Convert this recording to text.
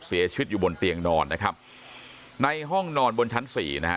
เสียชีวิตอยู่บนเตียงนอนนะครับในห้องนอนบนชั้นสี่นะฮะ